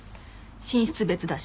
寝室別だし。